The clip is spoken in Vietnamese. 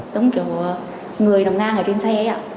giống kiểu người nằm ngang ở trên xe